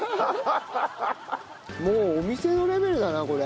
もうお店のレベルだなこれ。